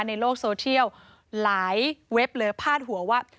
ในโลกโซเชียลหลายเว็บเลยพาดหัวว่า